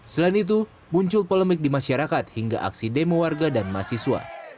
selain itu muncul polemik di masyarakat hingga aksi demo warga dan mahasiswa